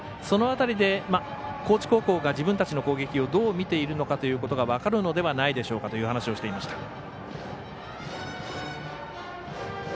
その辺りで高知高校が自分たちの攻撃をどう見ているのかということが分かるのではないでしょうかと話をしていました。